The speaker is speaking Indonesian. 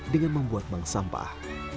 dengan membuat bank sampah